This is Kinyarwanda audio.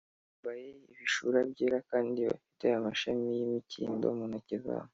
bambaye ibishura byera kandi bafite amashami y’imikindo mu ntoki zabo,